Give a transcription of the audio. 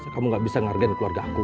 kamu nggak bisa menghargai keluarga aku